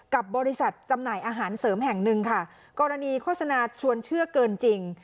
กับบริษัทจำหน่ายอาหารเสริมแห่งหนึ่งค่ะกรณีโฆษณาชวนเชื่อเกินจริง